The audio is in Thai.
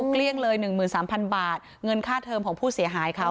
เกลี้ยงเลยหนึ่งหมื่นสามพันบาทเงินค่าเทียมของผู้เสียหายเขา